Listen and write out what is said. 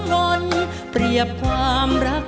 จะใช้หรือไม่ใช้ครับ